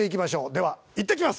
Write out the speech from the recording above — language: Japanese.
では行ってきます！